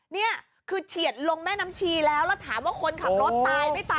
นี่คือเฉียดลงแม่น้ำชีแล้วแล้วถามว่าคนขับรถตายไม่ตาย